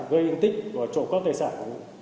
gây yên tích và trộm cấp tài sản